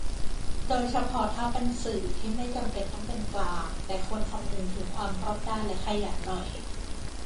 โดยเฉพาะถ้าเป็นสื่อ ที่ไม่จำเป็นต้องเป็นกลาง แต่ควรคำนึงถึงความรอบด้าน และขยันหน่อย